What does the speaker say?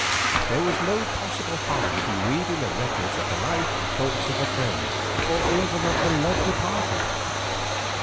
There was no possible harm in reading the records of the life and thoughts of a friend, or even of a love departed.